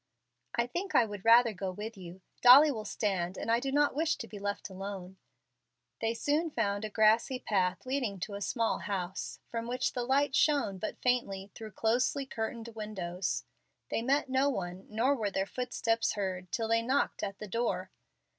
"I think I would rather go with you. Dolly will stand, and I do not wish to be left alone." They soon found a grassy path leading to a small house, from which the light shone but faintly through closely curtained windows. They met no one, nor were their footsteps heard till they knocked at the door.